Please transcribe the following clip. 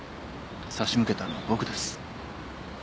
差し向けたのは僕です。